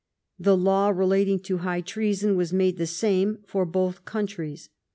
The law relating to high treason was made the same for both coun tries.